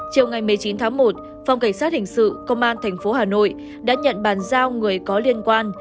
chiều ngày một mươi chín tháng một phòng cảnh sát hình sự công an tp hà nội đã nhận bàn giao người có liên quan